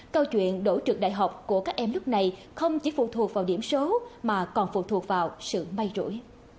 câu chuyện đổ trực đại học của các em lúc này không chỉ phụ thuộc vào điểm số mà còn phụ thuộc vào sự may rỗi